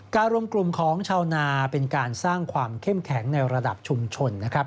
รวมกลุ่มของชาวนาเป็นการสร้างความเข้มแข็งในระดับชุมชนนะครับ